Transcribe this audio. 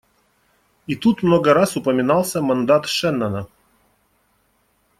И тут много раз упоминался мандат Шеннона.